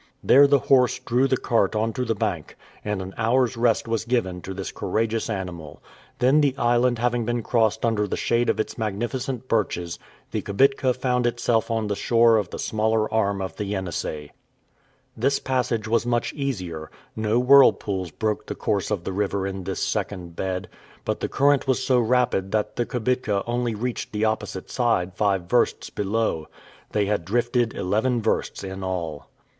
There the horse drew the cart onto the bank, and an hour's rest was given to the courageous animal; then the island having been crossed under the shade of its magnificent birches, the kibitka found itself on the shore of the smaller arm of the Yenisei. This passage was much easier; no whirlpools broke the course of the river in this second bed; but the current was so rapid that the kibitka only reached the opposite side five versts below. They had drifted eleven versts in all.